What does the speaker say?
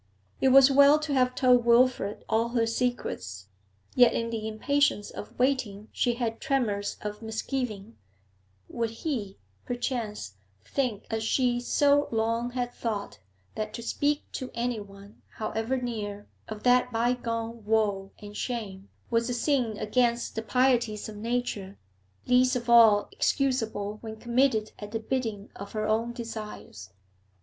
It was well to have told Wilfrid all her secrets, yet in the impatience of waiting she had tremors of misgiving; would he, perchance, think as she so long had thought, that to speak to anyone, however near, of that bygone woe and shame was a sin against the pieties of nature, least of all excusable when committed at the bidding of her own desires?